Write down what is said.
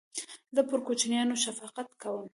زه پر کوچنیانو شفقت کوم.